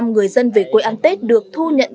người dân về quê ăn tết được thu nhận